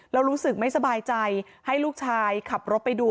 แล้วรู้สึกไม่สบายใจให้ลูกชายขับรถไปดู